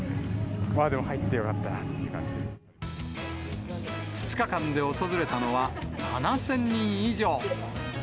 まあでも入ってよかったなという２日間で訪れたのは、７０００人以上。